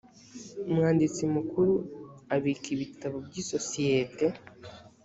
umwanditsi mukuru abika ibitabo by isosiyete